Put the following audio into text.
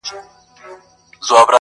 څه ژوند كولو ته مي پريږده كنه ~